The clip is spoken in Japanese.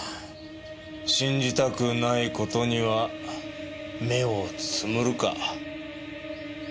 信じたくない事には目をつむるか。